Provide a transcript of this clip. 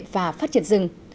và phát triển rừng